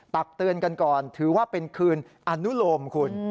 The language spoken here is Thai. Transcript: ตักเตือนกันก่อนถือว่าเป็นคืนอนุโลมคุณ